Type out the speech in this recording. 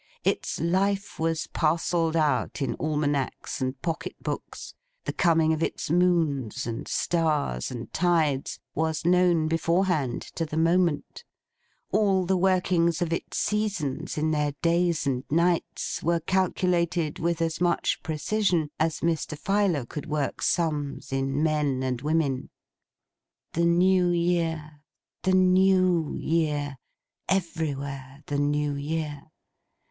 Its life was parcelled out in almanacks and pocket books; the coming of its moons, and stars, and tides, was known beforehand to the moment; all the workings of its seasons in their days and nights, were calculated with as much precision as Mr. Filer could work sums in men and women. The New Year, the New Year. Everywhere the New Year!